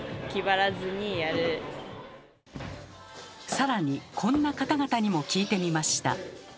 更にこんな方々にも聞いてみました。